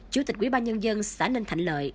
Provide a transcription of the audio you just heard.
chủ tịch quỹ ba nhân dân xã ninh thạnh lợi